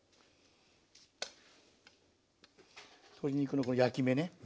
鶏肉のこの焼き目ね。